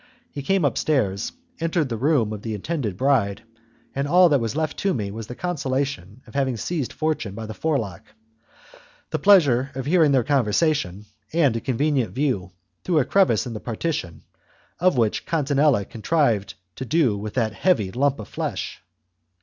He came upstairs, entered the room of the intended bride, and all that was left to me was the consolation of having seized fortune by the forelock, the pleasure of hearing their conversation, and a convenient view, through a crevice in the partition, of what Catinella contrived to do with that heavy lump of flesh.